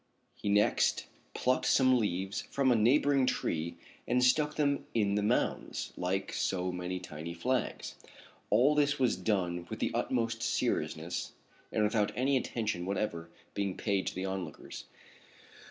He next plucked some leaves from a neighboring tree and stuck them in the mounds like so many tiny flags. All this was done with the utmost seriousness and without any attention whatever being paid to the onlookers.